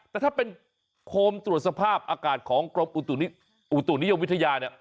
แต่ถ้าเป็นโคมตรวจสภาพอากาศของกรมอุตุนิยมวิทยาเนี่ย